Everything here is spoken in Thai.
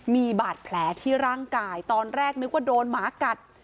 มีบาดแผลที่ร่างกายตอนแรกนึกว่าโดนหมากัด